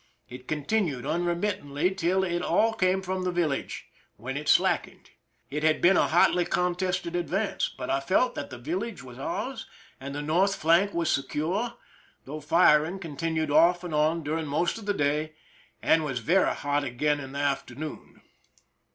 It continued unremittingly till it all came from the village, when it slackened. It had been a hotly contested advance, but I felt that the village was ours and the north flank was secure, though firing continued off and on during most of the day and was very hot again in the afternoon.